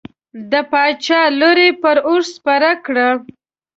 د باچا لور یې پر اوښ سپره کړه.